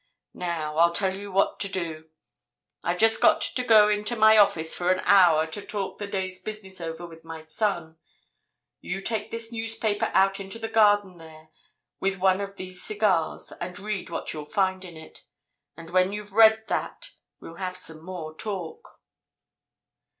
Now, I'll tell you what to do. I've just got to go into my office for an hour to talk the day's business over with my son—you take this newspaper out into the garden there with one of these cigars, and read what'll you find in it, and when you've read that we'll have some more talk."